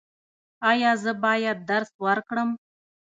ایا زه باید درس ورکړم؟